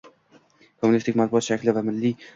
Kommunistik matbuot shakli milliy va mazmunan avtoritar edi